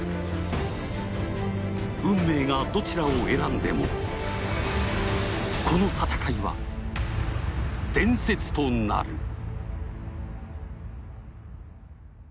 運命がどちらを選んでもこの戦いは、伝説となる。